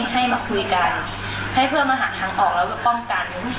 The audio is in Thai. ให้มาคุยกันให้เพื่อมาหาทางออกแล้วเพื่อป้องกัน